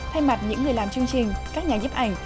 thay mặt những người làm chương trình các nhà nhếp ảnh